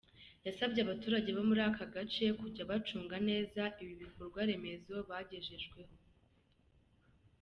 Yasabye abaturage bo muri aka gace kujya bacunga neza ibi bikorwaremezo bagejejweho.